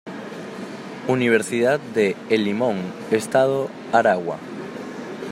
Universidad de El Limón, estado Aragua.